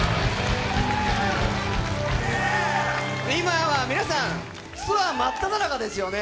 今は皆さん、ツアーまっただ中ですよね？